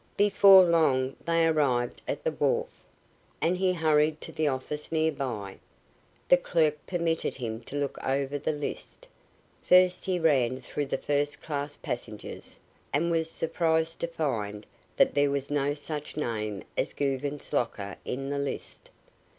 Before long they arrived at the wharf, and he hurried to the office near by. The clerk permitted him to look over the list. First he ran through the first class passengers, and was surprised to find that there was no such name as Guggenslocker in the list.